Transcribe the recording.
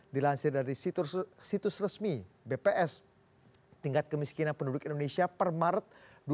dilansir dari situs resmi bps tingkat kemiskinan penduduk indonesia per maret dua ribu dua puluh